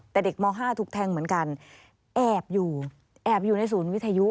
แต่เด็กม๕ถูกแทงเหมือนกันแอบอยู่แอบอยู่ในศูนย์วิทยุ